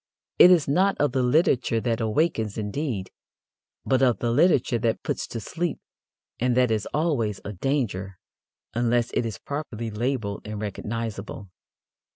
It is not of the literature that awakens, indeed, but of the literature that puts to sleep, and that is always a danger unless it is properly labelled and recognizable.